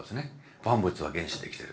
「万物は原子でできている」。